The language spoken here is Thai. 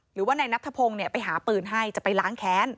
หรือว่านายนัทธพงศ์ไปหาปืนให้จะไปล้างแค้น